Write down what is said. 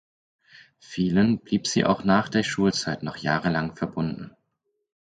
Vielen blieb sie auch nach der Schulzeit noch jahrelang verbunden.